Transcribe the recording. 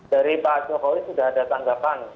dari pak jokowi sudah ada tanggapan